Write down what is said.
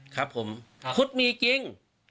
ครับผมพุทธมีจริง